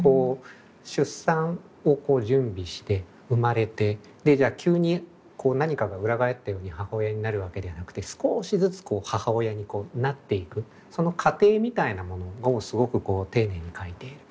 出産をこう準備して生まれてでじゃ急にこう何かが裏返ったように母親になるわけではなくて少しずつ母親にこうなっていくその過程みたいなものをすごく丁寧に書いている。